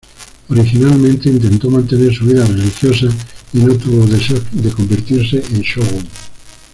Originalmente intentó mantener su vida religiosa y no tuvo deseos en convertirse en "shogun".